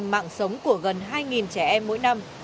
mạng sống của gần hai trẻ em mỗi năm